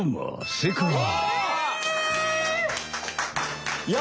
正解は。